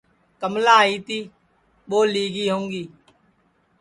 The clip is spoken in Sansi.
کملا آئی تی ٻو لی گی ہؤں گی